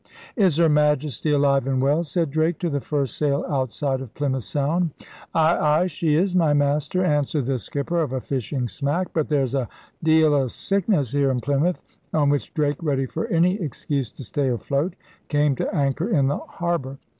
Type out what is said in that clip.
'Is Her Majesty alive and well?' said Drake to the first sail outside of Plymouth Sound. 'Ay, ay, she is, my Master,' answered the skipper of a fishing smack, 'but there's a deal o' sickness here in Plymouth'; on which Drake, ready for any excuse to stay afloat, came to anchor in the harbor.